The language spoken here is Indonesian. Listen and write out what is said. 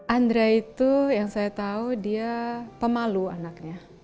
andra itu yang saya tahu dia pemalu anaknya